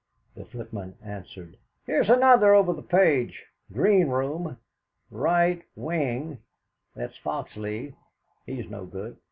The footman answered: "Here's another over the page. Green room, right wing that Foxleigh; he's no good.